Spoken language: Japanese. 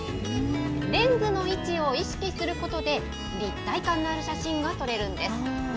レンズの位置を意識することで、立体感がある写真が撮れるんです。